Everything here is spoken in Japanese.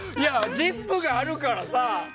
「ＺＩＰ！」があるからさ。